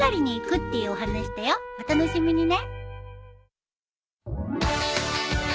お楽しみにね。